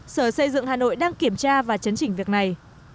sở xây dựng hà nội đang kiểm tra và chấn chỉnh việc này